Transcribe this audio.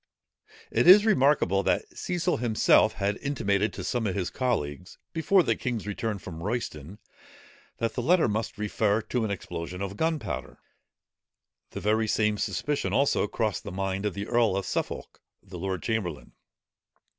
It is remarkable that Cecil himself had intimated to some of his colleagues, before the king's return from Royston, that the letter must refer to an explosion of gunpowder: the very same suspicion also crossed the mind of the earl of Suffolk, the lord chamberlain.